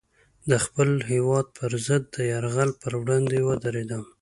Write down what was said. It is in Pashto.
د خپل هېواد پر ضد د یرغل پر وړاندې ودرېدم.